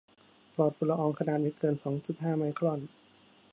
ปลอดฝุ่นละอองขนาดไม่เกินสองจุดห้าไมครอน